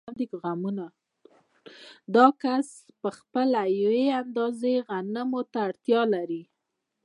دا کس په خپله یوې اندازې غنمو ته اړتیا لري